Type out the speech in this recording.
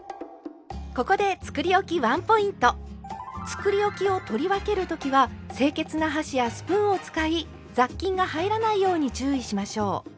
つくりおきを取り分けるときは清潔な箸やスプーンを使い雑菌が入らないように注意しましょう。